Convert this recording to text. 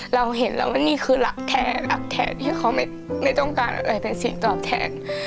เราเห็นแล้วว่านี่คือหลักแทนหลักแทนที่เขาไม่ต้องการอะไรเป็นเสียงตอบแทน